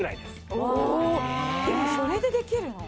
おおでもそれでできるの？